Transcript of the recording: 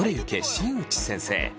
新内先生」。